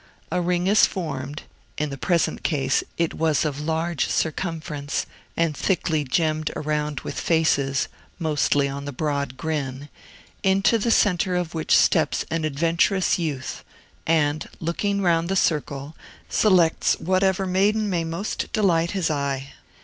A ring is formed (in the present case, it was of large circumference and thickly gemmed around with faces, mostly on the broad grin), into the centre of which steps an adventurous youth, and, looking round the circle, selects whatever maiden may most delight his eye.